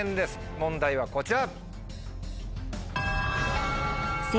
問題はこちら。